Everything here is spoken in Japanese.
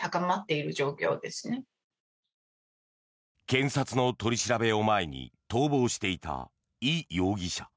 検察の取り調べを前に逃亡していたイ容疑者。